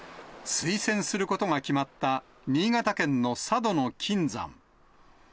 推薦することが決まった、新潟県の佐渡島の金山。